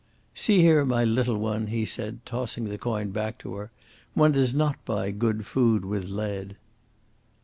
"See here, my little one," he said, tossing the coin back to her, "one does not buy good food with lead."